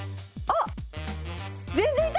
あっ！